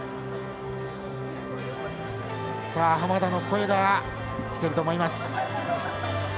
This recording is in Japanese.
濱田の声が聞けると思います。